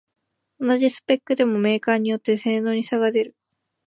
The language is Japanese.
同じスペックでもメーカーによって性能に差が出る